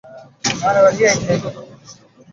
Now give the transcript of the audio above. মানুষের সঙ্গে কথা বলার অভ্যাস নেই।